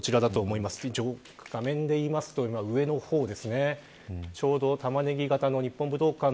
画面で言いますと今、上の方ですね。